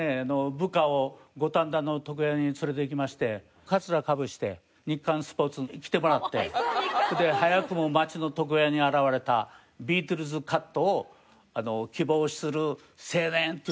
部下を五反田の床屋に連れていきましてかつらかぶせて『日刊スポーツ』に来てもらってそれで「早くも街の床屋に現れたビートルズカットを希望する青年」っていうんで。